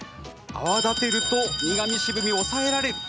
泡立てると苦みと渋みを抑えられる。